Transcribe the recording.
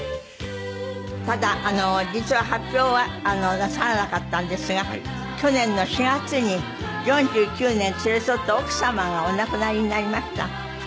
ただ実は発表はなさらなかったんですが去年の４月に４９年連れ添った奥様がお亡くなりになりました。